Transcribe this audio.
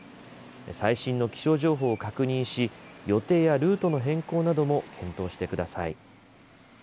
最新の気象情報を確認し予定やルートの変更なども検討してください。